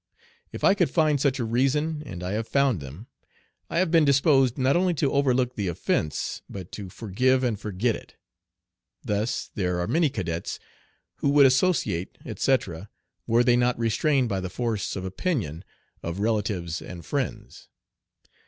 If I could find such a reason and I have found them I have been disposed not only to overlook the offence, but to forgive and forget it. Thus there are many cadets who would associate, etc., were they not restrained by the force of opinion of relatives and friends.